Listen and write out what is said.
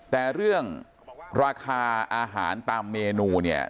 แต่เรื่องราคาอาหารตามเมนูเนี่ย